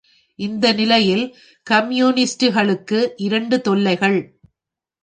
இந்த நிலையில் கம்யூனிஸ்டுகளுக்கு இரண்டு தொல்லைகள்.